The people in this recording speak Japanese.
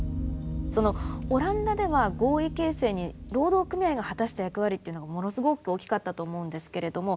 そのオランダでは合意形成に労働組合が果たした役割というのがものすごく大きかったと思うんですけれども。